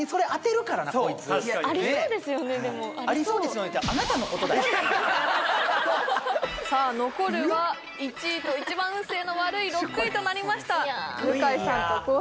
おおっさあ残るは１位と一番運勢の悪い６位となりました昴